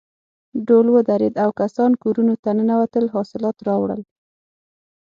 ډول ودرېد او کسان کورونو ته ننوتل حاصلات راوړل.